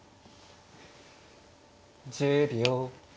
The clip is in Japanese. １０秒。